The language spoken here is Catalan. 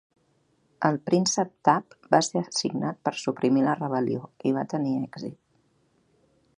El príncep Thap va ser assignat per suprimir la rebel·lió, i va tenir èxit.